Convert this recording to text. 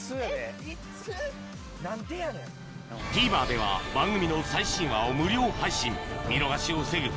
ＴＶｅｒでは番組の最新話を無料配信見逃しを防ぐ